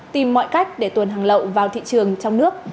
tìm mọi cách để tuần hàng lậu vào thị trường trong nước